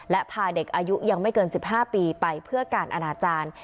และพาเด็กอายุยังไม่เกิน๑๕ปีไปเพื่อการอนาจารย์